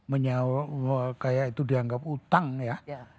menyau kayak itu dianggap utang ya